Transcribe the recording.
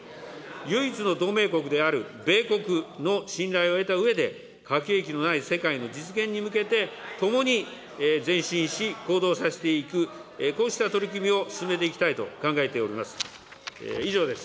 唯一の同盟国である米国の信頼を得たうえで、核兵器のない世界の実現に向けて、共に前進し、行動させていく、こうした取り組みを進めていきたいと考えております。